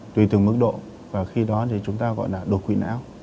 tùy từng mức độ và khi đó thì chúng ta gọi là đột quỵ não